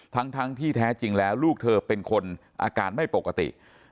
ทั้งที่แท้จริงแล้วลูกเธอเป็นคนอาการไม่ปกติ